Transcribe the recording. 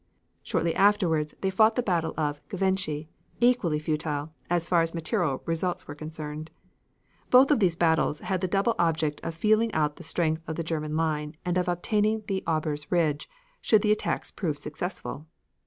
Shortly afterwards they fought the battle of Givenchy, equally futile, as far as material results were concerned. Both of these battles had the double object of feeling out the strength of the German line and of obtaining the Aubers Ridge, should the attacks prove successful.